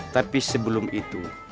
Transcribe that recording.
tapi sebelum itu